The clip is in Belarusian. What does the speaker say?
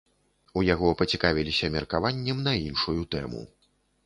У яго пацікавіліся меркаваннем на іншую тэму.